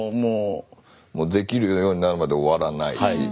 できるようになるまで終わらないし。